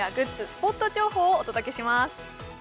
スポット情報をお届けします